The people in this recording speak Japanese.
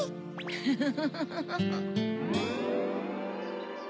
フフフ。